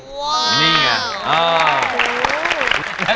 นี่ไงอ๋อ